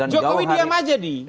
jokowi diam aja di